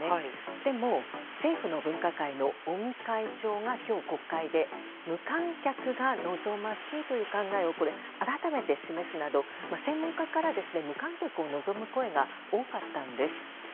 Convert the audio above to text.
でも、政府の分科会の尾身会長が今日、国会で無観客が望ましいという考えを改めて示すなど、専門家から無観客を望む声が多かったんです。